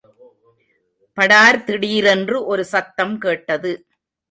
படார்! திடீரென்று ஒரு சத்தம் கேட்டது.